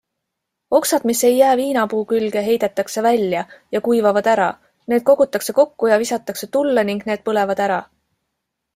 Oksad, mis ei jää viinapuu külge, heidetakse välja ja kuivavad ära, need kogutakse kokku ja visatakse tulle ning need põlevad ära.